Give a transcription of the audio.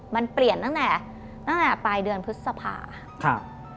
มันเปลี่ยนนั้นแต่ปลายเดือนพฤษภาค่ะ